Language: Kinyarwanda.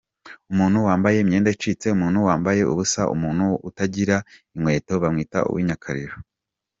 Umuntu wambaye imyenda icitse, umuntu wambaye ubusa, umuntu utagira inkweto bamwita uw’i Nyakariro.